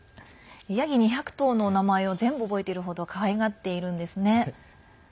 ヤギ２００頭の名前を全部覚えているほどかわいがっているんですね。